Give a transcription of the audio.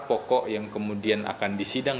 pokok yang kemudian akan disidang